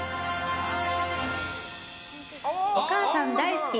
お母さん大好き！